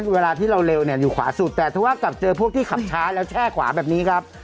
เวลาที่เราเร็วเนี่ยอยู่ขวาสุดแต่ถ้าว่ากลับเจอพวกที่ขับช้าแล้วแช่ขวาแบบนี้ครับ